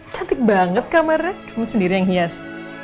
cantik banget kamarnya kamu sendiri yang hias